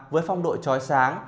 với phong đội trói sáng